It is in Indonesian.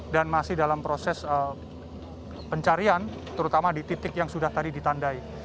dan masih dalam proses pencarian terutama di titik yang sudah tadi ditandai